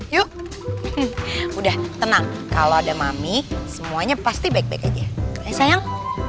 yuk udah tenang kalau ada mami semuanya pasti baik baik aja sayang